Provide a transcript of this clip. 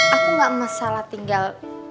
aku enggak masalah tinggal